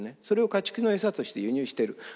それを家畜のエサとして輸入してる。